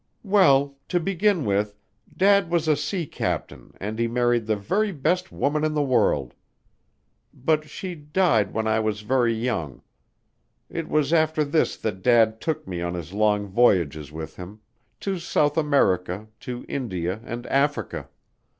"Well, to begin with, Dad was a sea captain and he married the very best woman in the world. But she died when I was very young. It was after this that Dad took me on his long voyages with him, to South America, to India, and Africa.